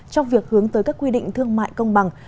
trong việc hướng tới các quy định thương mại công bằng